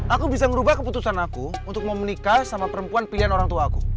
aku bisa merubah keputusan aku untuk mau menikah sama perempuan pilihan orangtuaku